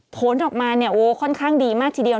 โทนออกมาโอ้โฮค่อนข้างดีมากทีเดียว